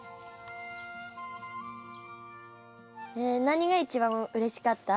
何が一番うれしかった？